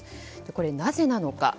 これはなぜなのか。